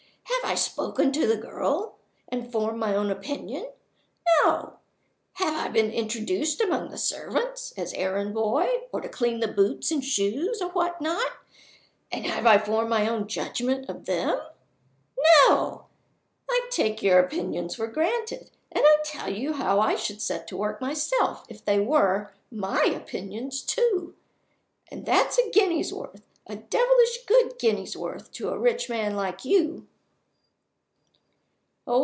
Have I spoken to the girl and formed my own opinion? No! Have I been introduced among the servants (as errand boy, or to clean the boots and shoes, or what not), and have I formed my own judgement of them? No! I take your opinions for granted, and I tell you how I should set to work myself if they were my opinions too and that's a guinea's worth, a devilish good guinea's worth to a rich man like you!"